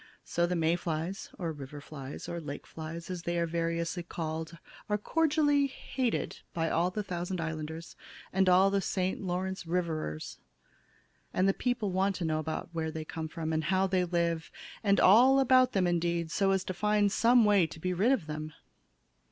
So the May flies or river flies or lake flies as they are variously called are cordially hated by all the Thousand Islanders and the St. Lawrence Riverers. And the people want to know about where they come from, and how they live, and all about them, indeed, so as to try to find some way to be rid of them."